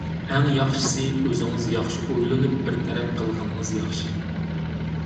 ئەڭ ياخشىسى، ئۆزىڭىز ياخشى ئويلىنىپ بىر تەرەپ قىلغىنىڭىز ياخشى.